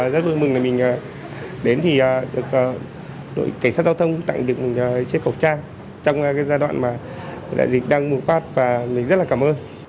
rất vui mừng mình đến được đội cảnh sát giao thông tặng được chiếc khẩu trang trong giai đoạn dịch đang bùng phát và mình rất là cảm ơn